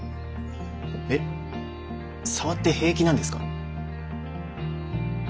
えっ触って平気なんですか？